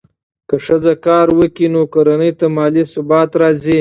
که ښځه کار وکړي، نو کورنۍ ته مالي ثبات راځي.